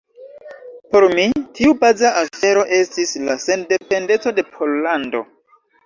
Por mi tiu baza afero estis la sendependeco de Pollando.